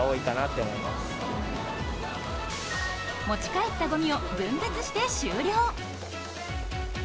持ち帰ったごみを分別して終了。